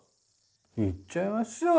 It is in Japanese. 行っちゃいましょう。